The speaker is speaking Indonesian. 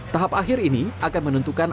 tahap akhir ini akan menentukan